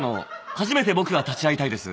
初めて僕立ち会いたいです。